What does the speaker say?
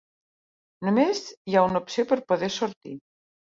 Només hi ha una opció per poder sortir